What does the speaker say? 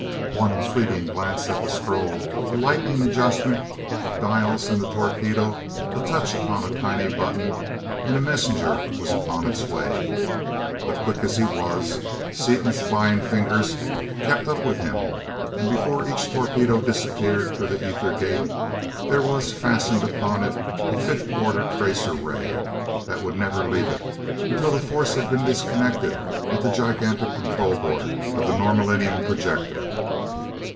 One fleeting glance at the scroll, a lightning adjustment of dials in the torpedo, a touch upon a tiny button, and a messenger was upon its way. But quick as he was, Seaton's flying fingers kept up with him, and before each torpedo disappeared through the ether gate there was fastened upon it a fifth order tracer ray that would never leave it until the force had been disconnected at the gigantic control board of the Norlaminian projector.